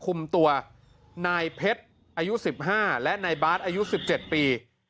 คุมตัวนายเพชรอายุ๑๕และนายบาทอายุ๑๗ปี